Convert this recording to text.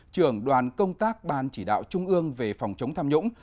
trưởng đoàn công tác ban chỉ đạo trung ương về phòng chống tham nhũng